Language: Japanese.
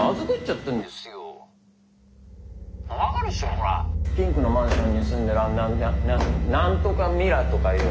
ほらピンクのマンションに住んでる何何とかミラとかいう。